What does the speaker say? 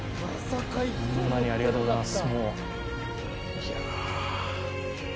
ホンマにありがとうございます。